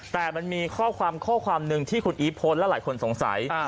แต่มันมีข้อความข้อความหนึ่งที่คุณอีฟโพสต์และหลายคนสงสัย